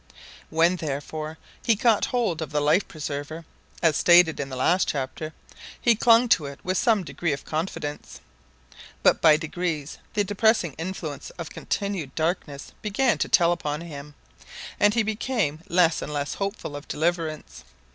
When, therefore, he caught hold of the life preserver, as stated in the last chapter, he clung to it with some degree of confidence; but by degrees the depressing influence of continued darkness began to tell upon him, and he became less and less hopeful of deliverance.